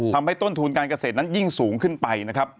ทำให้ต้นทุนการเกษตรนั้นยิ่งสูงขึ้นไป